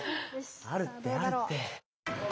あるってあるって。